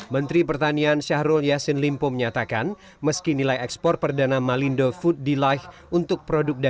melalui ekspor ini tetap terbuka